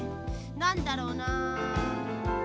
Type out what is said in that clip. なんだろうな。